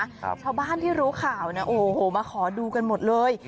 ชาวบ้านที่รู้ข่าวนะโอ้โหมาขอดูกันหมดเลย